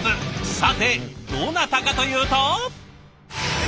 さてどなたかというと。